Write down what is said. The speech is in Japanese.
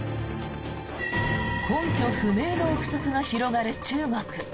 根拠不明の臆測が広がる中国。